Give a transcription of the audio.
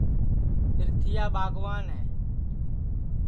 پِرتھِیا ٻاگوان ہے